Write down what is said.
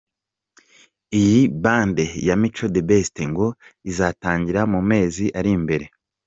Iyi Band ya Mico The Best ngo izatangira mu mezi ari imbere.